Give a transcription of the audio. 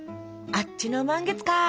あっちの満月か。